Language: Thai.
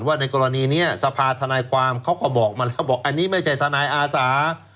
ในกรณีนี้สภาธนายความเขาก็บอกมาแล้วบอกอันนี้ไม่ใช่ทนายอาสา